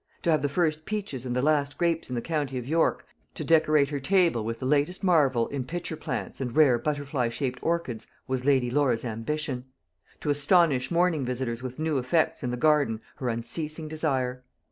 To have the first peaches and the last grapes in the county of York, to decorate her table with the latest marvel in pitcher plants and rare butterfly shaped orchids, was Lady Laura's ambition; to astonish morning visitors with new effects in the garden her unceasing desire.